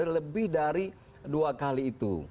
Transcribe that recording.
lebih dari dua kali itu